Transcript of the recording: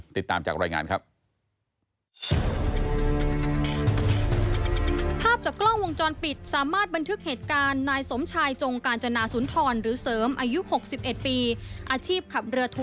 ติดตามจากรายงานครับ